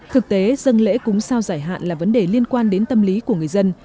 thực tế dân lễ cúng sao giải hạn là vấn đề liên quan đến tâm lý của người dân